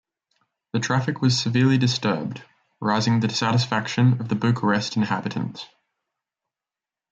The traffic was severely disturbed, rising the dissatisfaction of Bucharest inhabitants.